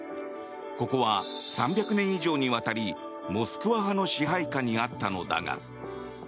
ここは３００年以上にわたりモスクワ派の支配下にあったのだが。